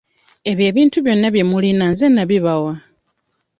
Ebyo ebintu byonna bye mulina nze nabibwa.